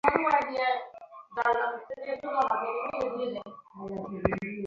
অবরোধের কারণে পরিবহনে প্রতিকূলতা থাকলেও বিএডিসির বীজ পরিবহনে কোনো সমস্যা ছিল না।